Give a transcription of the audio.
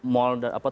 mall dan apa